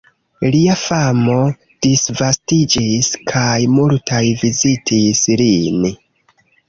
Lia famo disvastiĝis kaj multaj vizitis lin.